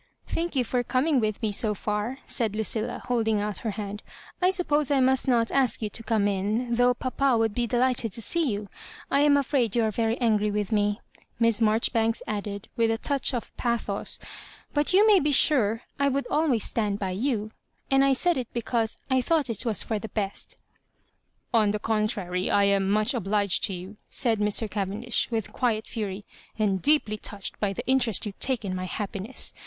^ Thank you for coming with me so for," said Lucilla, holding out her hand. " I s'upposcf I must not ask you to come in, though papa would be delighted to see you. I am afraid you are very angry with me^*' Miss Marjoribanks added, with a touch of pathos; but you may be sure I would always stand by you ; and I said it be cause I thought it was for the best'* *'0n the contrary, I am much obliged to you," said Mr. Cavendish, with quiet fury, '^and deeply touched by the interest you take in my happiness.